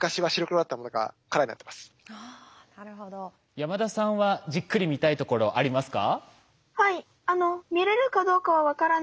山田さんはじっくり見たいところありますか？